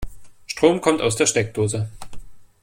Strom kommt aus der Steckdose.